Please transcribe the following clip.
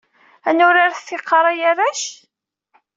Ad nuraret tiqqar ay arrac?